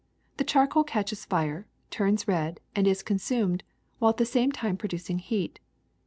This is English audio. The charcoal catches fire, turns red, and is consumed, while at the same time producing heat.